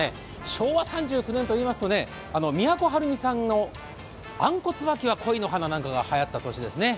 昭和３９年といいますと、あの都はるみさんの「アンコ椿は恋の花」なんかがはやった年ですね。